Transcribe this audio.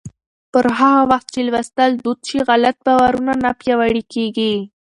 پر هغه وخت چې لوستل دود شي، غلط باورونه نه پیاوړي کېږي.